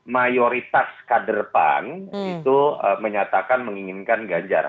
mayoritas kader pan itu menyatakan menginginkan ganjar